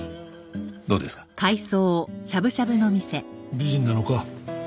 美人なのか？